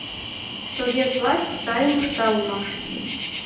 Совет власть сайым ышта улмаш.